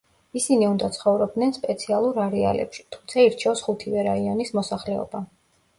ისინი უნდა ცხოვრობდნენ სპეციალურ არეალებში, თუმცა ირჩევს ხუთივე რაიონის მოსახლეობა.